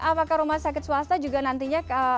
apakah rumah sakit swasta juga nantinya